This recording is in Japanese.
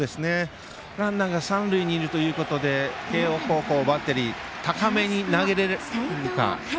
ランナーが三塁にいるということで慶応高校バッテリー高めに投げれるのか。